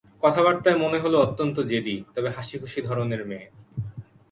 কথাবার্তায় মনে হলো অত্যন্ত জেদি, তবে হাসিখুশি ধরনের মেয়ে।